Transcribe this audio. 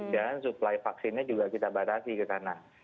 dan supply vaksinnya juga kita batasi ke tanah